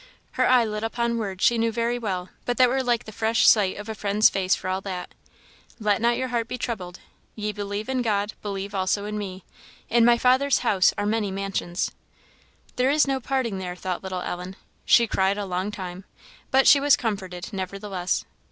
Her eye lit upon words she knew very well, but that were like the fresh sight of a friend's face for all that, "Let not your heart be troubled; ye believe in God, believe also in me. In my Father's house are many mansions." There is no parting there, thought little Ellen. She cried a long time, but she was comforted, nevertheless.